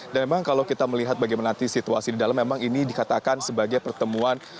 dan memang kalau kita melihat bagaimana nanti situasi di dalam memang ini dikatakan sebagai pertemuan